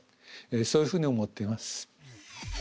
そういうふうに思っています。